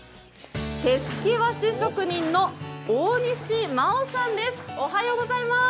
手すき和紙職人の大西満王さんです。